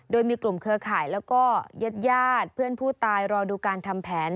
โดยมีกลุ่มเครือข่ายแล้วก็ญาติญาติเพื่อนผู้ตายรอดูการทำแผน